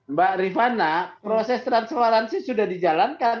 mbak rifana proses transparansi sudah dijalankan